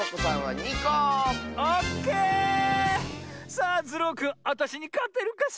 さあズルオくんあたしにかてるかしら？